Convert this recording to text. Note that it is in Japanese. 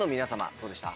どうでした？